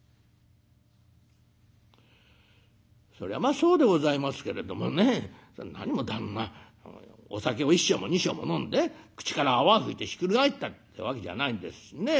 「そりゃまあそうでございますけれどもね何も旦那お酒を１升も２升も飲んで口から泡吹いてひっくり返ったってわけじゃないんですしね。